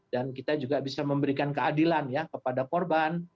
dan kita juga bisa memberikan keadilan ya kepada korban